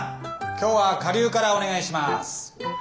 今日は下流からお願いします。